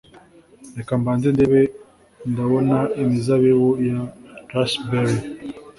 Reka mbanze ndebe Ndabona imizabibu ya raspberry